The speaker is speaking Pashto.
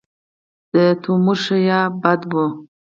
د تومور ښه یا بد وي.